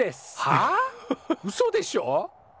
はあうそでしょ！？